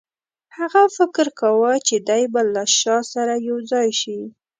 هغه فکر کاوه چې دی به له شاه سره یو ځای شي.